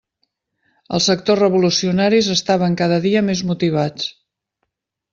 Els sectors revolucionaris estaven cada dia més motivats.